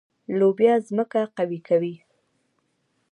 لوبیا ځمکه قوي کوي.